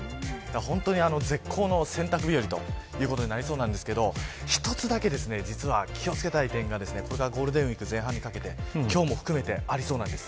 本当に絶好の洗濯日和ということになりそうなんですけど１つだけ、実は気を付けたい点がこれからゴールデンウイーク前半にかけて今日も含めてありそうなんです。